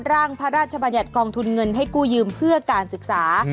ร่างพระราชบัญญัติกองทุนเงินให้กู้ยืมเพื่อการศึกษา